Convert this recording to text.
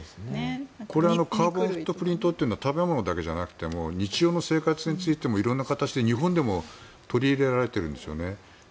このカーボンフットプリントというのは食べ物だけじゃなくても日常の生活においてもいろいろな形で日本でも取り入れられていますね。